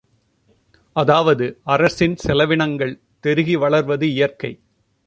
அதாவது, அரசின் செலவினங்கள் தெருகி வளர்வது இயற்கை.